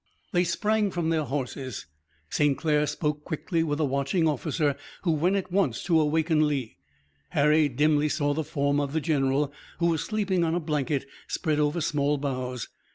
They sprang from their horses, St. Clair spoke quickly with a watching officer who went at once to awaken Lee. Harry dimly saw the form of the general who was sleeping on a blanket, spread over small boughs.